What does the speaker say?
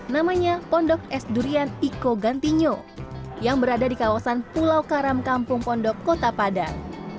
namanya pondok es durian iko gantinyo yang berada di kawasan pulau karam kampung pondok kota padang